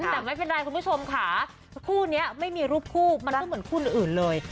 แต่ไม่เป็นไรคุณผู้ชมค่ะคู่นี้ไม่มีรูปคู่มันก็เหมือนคู่อื่นเลย